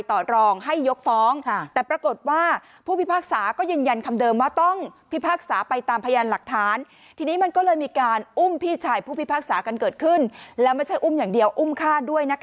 ต่อรองให้ยกฟ้องแต่ปรากฏว่า